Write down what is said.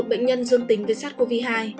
một mươi một bệnh nhân dương tính với sars cov hai